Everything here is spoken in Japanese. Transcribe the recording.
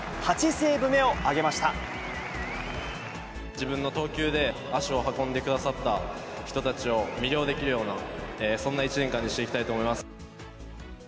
８セー自分の投球で、足を運んでくださった人たちを魅了できるような、そんな１年間にしていきたいと思います。